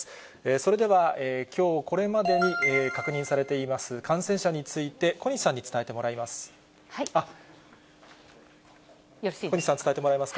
それではきょうこれまでに確認されています感染者について、小西さんに伝えてもらいます。